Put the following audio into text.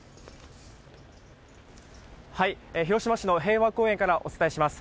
広島市の平和公園からお伝えします。